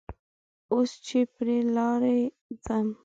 اوس چې پر لارې ځم